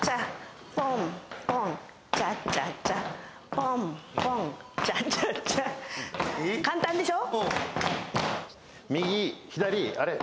ポンポン、チャチャチャ、簡単でしょ？